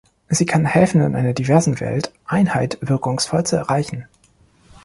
Sie kann helfen, in einer diversen Welt Einheit wirkungsvoll zu erreichen.